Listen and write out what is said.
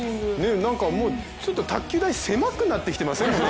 ちょっと卓球台狭くなってきてません？